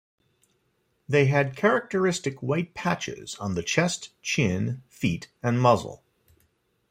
They had characteristic white patches on the chest, chin, feet, and muzzle.